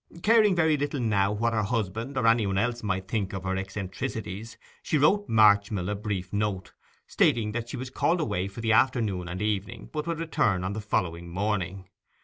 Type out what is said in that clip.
Caring very little now what her husband or any one else might think of her eccentricities; she wrote Marchmill a brief note, stating that she was called away for the afternoon and evening, but would return on the following morning.